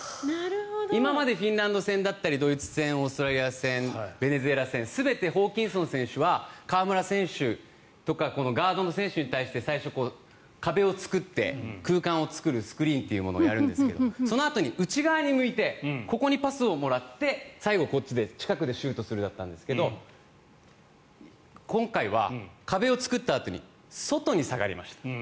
今までフィンランド戦ドイツ戦、オーストラリア戦ベネズエラ戦、全てホーキンソン選手は河村選手とかガードの選手に対して最初、壁を作って空間を作るスクリーンというものをやるんですけどそのあとに内側を向いてここにパスをもらって最後、こっちで近くでシュートするだったんですけど今回は壁を作ったあとに外に下がりました。